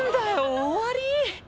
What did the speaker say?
終わり？